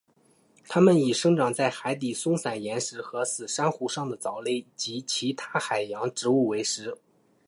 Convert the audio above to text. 它们以生长在海底松散岩石和死珊瑚上的藻类及其他海洋植物为食。